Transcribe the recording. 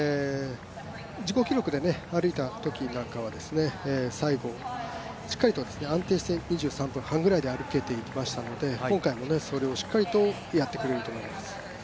自己記録で歩いたときなんかは最後、しっかりと安定して２３分半くらいで歩けていましたので今回もそれをしっかりとやってくれると思います。